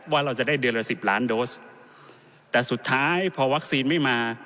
ว่าเราจะได้เดือนละสิบล้านโดสแต่สุดท้ายพอวัคซีนไม่มา